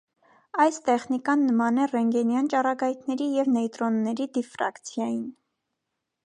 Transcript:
Այս տեխնիկան նման է ռենտգենյան ճառագայթների և նեյտրոնների դիֆրակցիային։